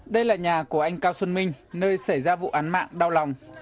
đây là nhà của anh cao xuân minh nơi xảy ra vụ án mạng đau lòng